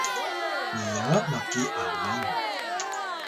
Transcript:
niya maki alang